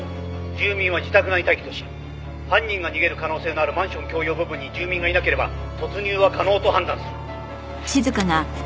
「住民は自宅内待機とし犯人が逃げる可能性のあるマンション共用部分に住民がいなければ突入は可能と判断する」